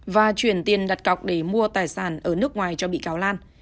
và chuyển tiền đặt cọc để mua tài sản ở nước ngoài cho bị cáo lan